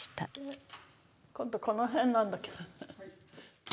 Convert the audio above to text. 今度この辺なんだけど。